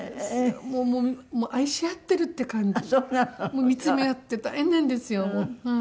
もう見つめ合って大変なんですよはい。